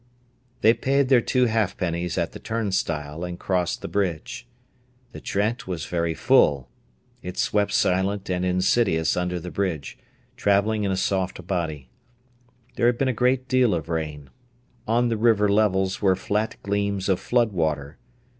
They paid their two halfpennies at the turnstile and crossed the bridge. The Trent was very full. It swept silent and insidious under the bridge, travelling in a soft body. There had been a great deal of rain. On the river levels were flat gleams of flood water.